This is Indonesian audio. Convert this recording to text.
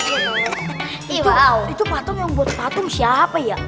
itu itu patung yang buat patung siapa ya